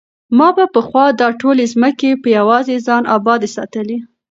ما به پخوا دا ټولې ځمکې په یوازې ځان ابادې ساتلې.